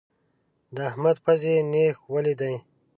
د احمد پزې نېښ ولی دی.